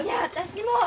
私も。